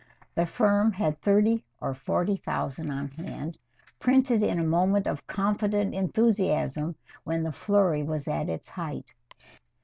The firm had thirty or forty thousand on hand, printed in a moment of confident enthusiasm when the flurry was at its height.